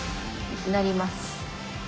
成ります。